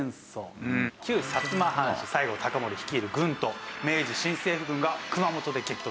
旧薩摩藩士西郷隆盛率いる軍と明治新政府軍が熊本で激突。